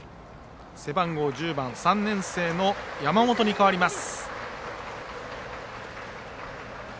背番号１０番、３年生の山本に代わります。